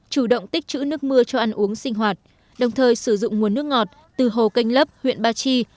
chủ động tích chữ nước mưa cho ăn uống sinh hoạt đồng thời sử dụng nguồn nước ngọt từ hồ canh lấp huyện ba chi